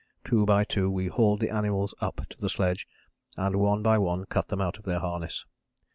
Two by two we hauled the animals up to the sledge and one by one cut them out of their harness.